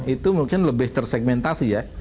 itu mungkin lebih tersegmentasi ya